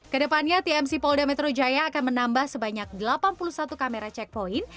kedepannya tmc polda metro jaya akan menambah sebanyak delapan puluh satu kamera checkpoint